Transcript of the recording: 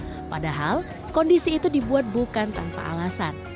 tidak memiliki pedal padahal kondisi itu dibuat bukan tanpa alasan